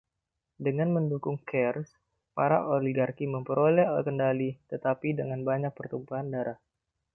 Dengan dukungan Chares, para oligarki memperoleh kendali tetapi dengan banyak pertumpahan darah.